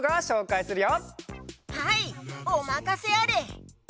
はいおまかせあれ！